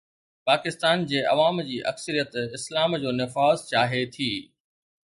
پاڪستان جي عوام جي اڪثريت اسلام جو نفاذ چاهي ٿي.